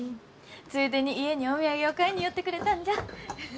ついでに家にお土産を買いに寄ってくれたんじゃ。